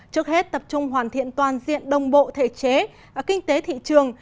trước hết tập trung hoàn thiện toàn diện đồng bộ thể chế và kinh tế thị trường